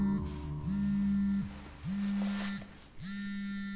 「うん」